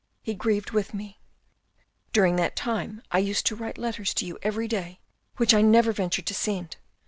He grieved with me. During that time I used to write letters to you every day which I never ventured to send.